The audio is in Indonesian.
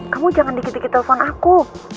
kamu jangan dikit dikit telpon aku